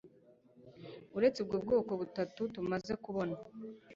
uretse ubwo bwoko butatu tumaze kubona